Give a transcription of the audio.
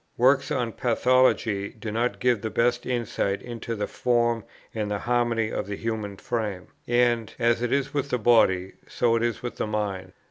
Works on pathology do not give the best insight into the form and the harmony of the human frame; and, as it is with the body, so is it with the mind.